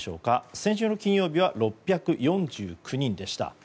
先週の金曜日は６４９人でした。